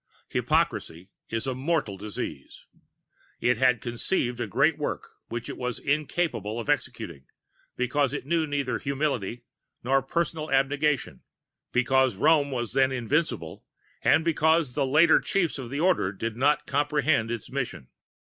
Hypocrisy is a mortal disease. It had conceived a great work which it was incapable of executing, because it knew neither humility nor personal abnegation, because Rome was then invincible, and because the later Chiefs of the Order did not comprehend its mission.